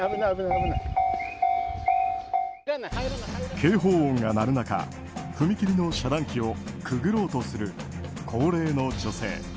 警報音が鳴る中踏切の遮断機をくぐろうとする高齢の女性。